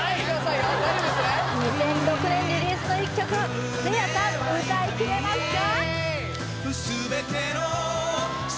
２００６年リリースの１曲せいやさん歌いきれますか？